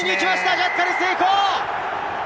ジャッカル成功！